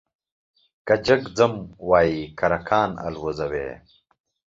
که جگ ځم وايي کرکان الوزوې ،